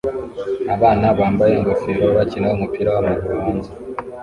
Abana bambaye ingofero bakina umupira wamaguru hanze